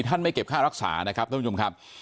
ไม่เก็บค่ารักษานะครับท่านผู้ชมครับ